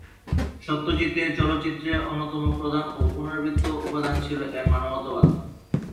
সত্যজিতের চলচ্চিত্রের অন্যতম প্রধান ও পুনরাবৃত্ত উপাদান ছিল এর মানবতাবাদ।